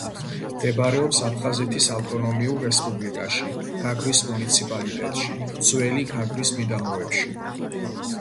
მდებარეობს აფხაზეთის ავტონომიურ რესპუბლიკაში, გაგრის მუნიციპალიტეტში, ძველი გაგრის მიდამოებში.